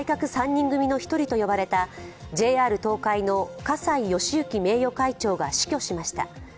３人組の１人と呼ばれたＪＲ東海の葛西敬之名誉会長が死去しました。